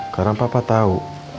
karena papa tau